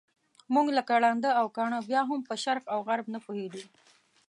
موږ لکه ړانده او کاڼه بیا هم په شرق او غرب نه پوهېدو.